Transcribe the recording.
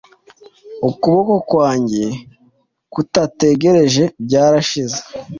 Ukuboko kwanjye kutatekereje Byarashize.